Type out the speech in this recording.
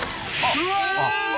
うわ！